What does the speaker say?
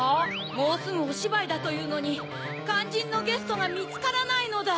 もうすぐおしばいだというのにかんじんのゲストがみつからないのだ！